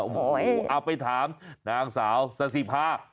เอาไปถามนางสาวซาร์สิพา